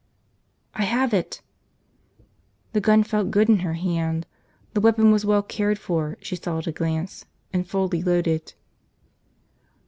"I have it!" The gun felt good in her hand. The weapon was well cared for, she saw at a glance, and fully loaded.